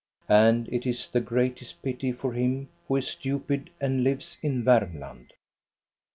And it is the greatest pity for him who is stupid and lives in Varmland.